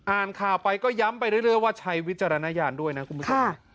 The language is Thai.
อ่านข่าวไปก็ย้ำไปเรื่อยว่าใช้วิจารณญาณด้วยนะคุณผู้ชม